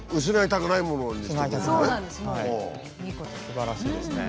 すばらしいですね。